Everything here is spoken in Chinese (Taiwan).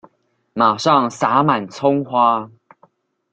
馬上灑滿蔥花